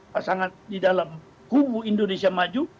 pasangan di dalam kubu indonesia maju